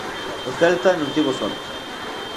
O Celta non tivo sorte.